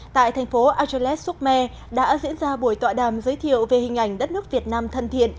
tại thành phố ageles soukme đã diễn ra buổi tọa đàm giới thiệu về hình ảnh đất nước việt nam thân thiện